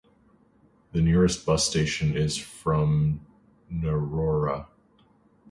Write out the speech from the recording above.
The nearest bus station is from Narora.